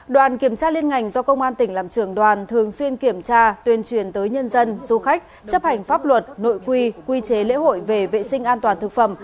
đoàn kiểm tra liên ngành do công an tỉnh làm trưởng đoàn thường xuyên kiểm tra tuyên truyền tới nhân dân du khách chấp hành pháp luật nội quy quy chế lễ hội về vệ sinh an toàn thực phẩm